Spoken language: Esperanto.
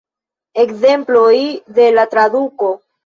Ekzemploj de la traduko.